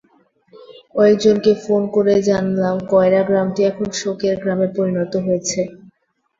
কয়েকজনকে ফোন করে জানলাম কয়ড়া গ্রামটি এখন শোকের গ্রামে পরিণত হয়েছে।